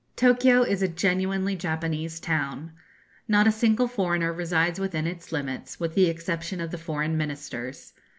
Tokio is a genuinely Japanese town. Not a single foreigner resides within its limits, with the exception of the foreign Ministers.